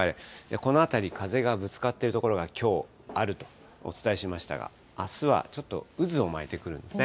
この辺り、風がぶつかっている所がきょうあるとお伝えしましたが、あすはちょっと渦を巻いてくるんですね。